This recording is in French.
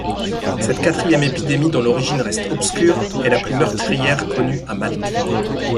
Cette quatrième épidémie dont l'origine reste obscure est la plus meurtrière connue à Malte.